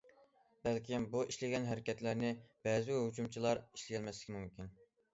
بەلكىم بۇ ئىشلىگەن ھەرىكەتلەرنى بەزى ھۇجۇمچىلار ئىشلىيەلمەسلىكى مۇمكىن.